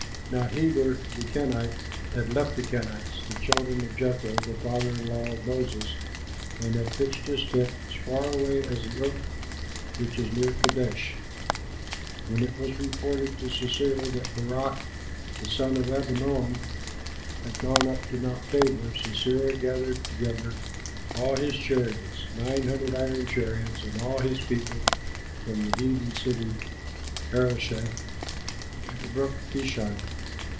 Now Heber the Kenite had left the Kenites, the children of Jethro the father in law of Moses, and had pitched his tent as far away as the oak which is near Kadesh. When it was reported to Sisera that Barak the son of Abinoam had gone up to Mount Tabor, Sisera gathered together all his chariots, nine hundred iron chariots, and all his people from the heathen city Harosheth to the brook Kishon.